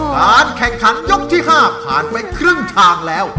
การแข่งขันยกที่๕ผ่านไปครึ่งทางแล้ว